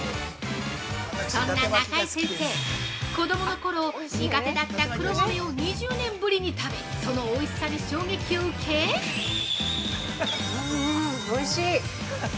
そんな中井先生、子供のころ苦手だった黒豆を２０年ぶりに食べ、そのおいしさに衝撃を受け◆うーん、おいしい！